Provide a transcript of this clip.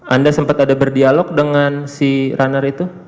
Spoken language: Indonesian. anda sempat ada berdialog dengan si runner itu